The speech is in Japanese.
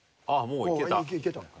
あっもういけた。